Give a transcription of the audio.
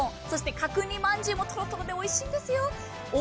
角煮まんじゅうもトロトロでおいしいですよ。